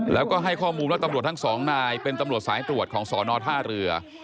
แล้วก็ให้ข้อมูลว่าตำรวจทั้งสองนายเป็นตำรวจสายตรวจของสอนอท่าเรือ